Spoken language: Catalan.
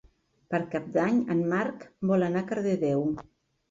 Per Cap d'Any en Marc vol anar a Cardedeu.